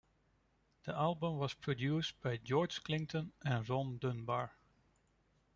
The album was produced by George Clinton and Ron Dunbar.